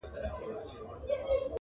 یو له بله بېلېدل سوه د دوستانو،